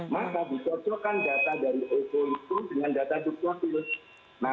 maka disocokkan data dari oco uku dengan data duktuasilus